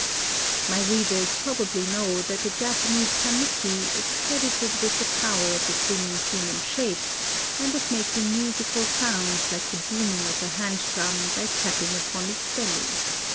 My readers probably know that the Japanese tanuki ^ is credited with the power of assuming human shape, and of making musical sounds like the booming of a hand drum by tapping upon its belly.